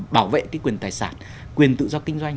bảo vệ cái quyền tài sản quyền tự do kinh doanh